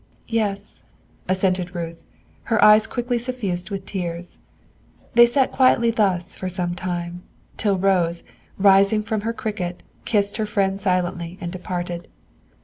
"Yes," assented Ruth, her eyes quickly suffused with tears. They sat quietly thus for some time, till Rose, rising from her cricket, kissed her friend silently and departed.